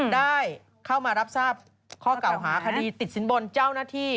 ได้เข้ามารับทราบข้อเก่าหาคดีติดสินบนเจ้าหน้าที่